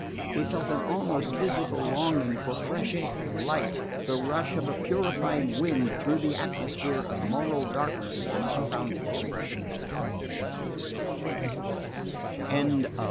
He felt an almost physical longing for fresh air, light, the rush of a purifying wind through the atmosphere of moral darkness that surrounded him.